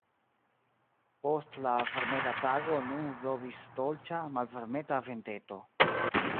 Post la varmega tago nun blovis dolĉa, malvarmeta venteto.